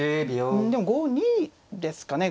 うんでも５二ですかね。